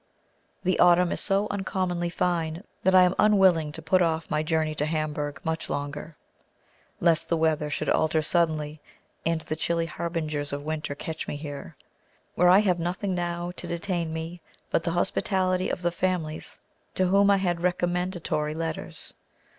The autumn is so uncommonly fine that I am unwilling to put off my journey to Hamburg much longer, lest the weather should alter suddenly, and the chilly harbingers of winter catch me here, where I have nothing now to detain me but the hospitality of the families to whom I had recommendatory letters.